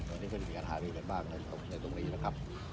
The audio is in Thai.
วันนี้ก็จะมีการหารือกันบ้างในตรงนี้นะครับ